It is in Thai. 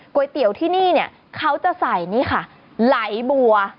เตี๋ยวที่นี่เนี่ยเขาจะใส่นี่ค่ะไหลบัว